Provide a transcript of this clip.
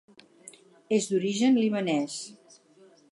És d'origen libanès.